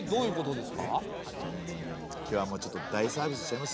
うん今日はもうちょっと大サービスしちゃいますよ。